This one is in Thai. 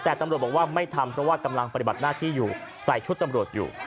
แต่ตำรวจบอกว่าไม่ทำเพราะว่ากำลังปฏิบัติหน้าที่อยู่ใส่ชุดตำรวจอยู่